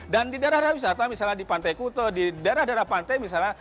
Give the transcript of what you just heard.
dan di daerah daerah wisata misalnya di pantai kuto di daerah daerah pantai misalnya